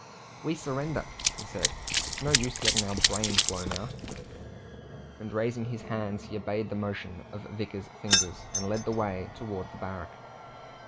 "We surrender," he said. "It's no use getting our brains blown out." And raising his hands, he obeyed the motion of Vickers's fingers, and led the way towards the barrack.